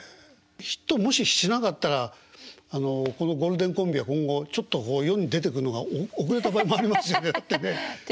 ヒットもししなかったらあのこのゴールデンコンビは今後ちょっとこう世に出てくんのが遅れた場合もありますよねだってね。